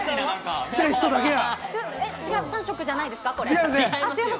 知っている人だけだ。